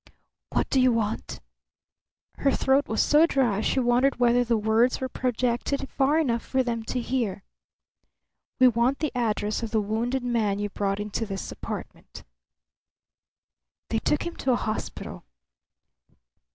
"What do you want?" Her throat was so dry she wondered whether the words were projected far enough for them to hear. "We want the address of the wounded man you brought into this apartment." "They took him to a hospital."